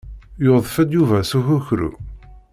Yudef-d Yuba s ukukru.